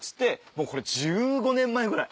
もうこれ１５年前ぐらい。